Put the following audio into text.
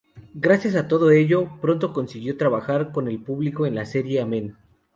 Gracias a todo ello, pronto consiguió trabajar con el público de la serie "Amen".